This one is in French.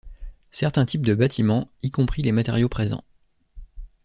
Certains types de bâtiments, y compris les matériaux présents.